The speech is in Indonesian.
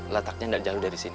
lataknya nggak jauh dari sini